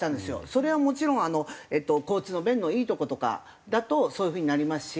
それはもちろん交通の便のいいとことかだとそういう風になりますし。